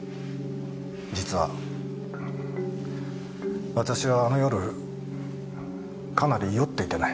実は私はあの夜かなり酔っていてね。